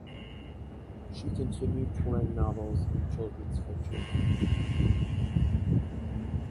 She continued to write novels and children's fiction.